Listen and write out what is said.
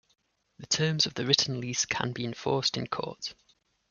The terms of the written lease can be enforced in court.